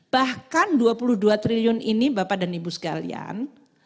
bahkan dua puluh dua triliun ini bapak dan ibu sekalian